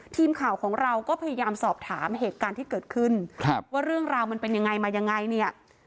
ทีมข่าวของเราก็พยายามสอบถามเหตุการณ์ที่เกิดขึ้นครับว่าเรื่องราวมันเป็นยังไงมายังไงเนี่ย